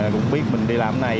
cũng biết mình đi làm thế này